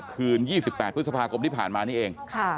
คืน๒๘พฤษภาคมที่ผ่านมานี่เอง